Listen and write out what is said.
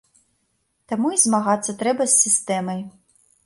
Таму і змагацца трэба з сістэмай.